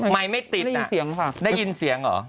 ไม่ติดได้ยินเสียงเหรอ